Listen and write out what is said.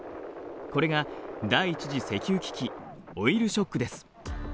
これが第１次石油危機オイルショックです。